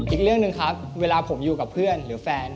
อีกเรื่องหนึ่งครับเวลาผมอยู่กับเพื่อนหรือแฟน